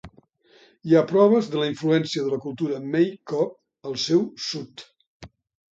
Hi ha proves de la influència de la cultura Maykop al seu sud.